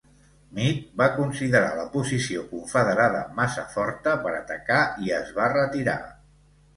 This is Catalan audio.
Meade va considerar la posició confederada massa forta per atacar i es va retirar.